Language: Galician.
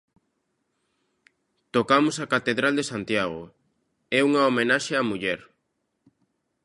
Tocamos a Catedral de Santiago e unha homenaxe á muller.